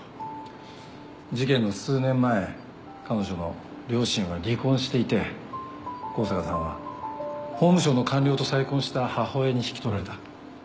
事件の数年前彼女の両親は離婚していて香坂さんは法務省の官僚と再婚した母親に引き取られた。